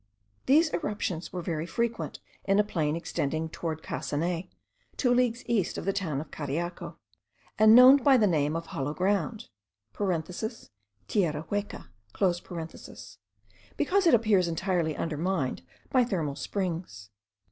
These irruptions were very frequent in a plain extending towards Casanay, two leagues east of the town of Cariaco, and known by the name of the hollow ground (tierra hueca), because it appears entirely undermined by thermal springs.